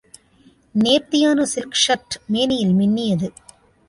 நேர்த்தியான silk shirt மேனியில் மின்னியது.